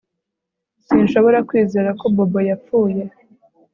Sinshobora kwizera ko Bobo yapfuye